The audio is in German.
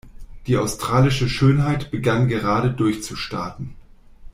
Die australische Schönheit begann gerade durchzustarten.